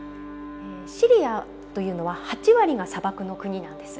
シリアというのは８割が砂漠の国なんです。